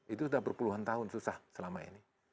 itu sudah berpuluhan tahun susah selama ini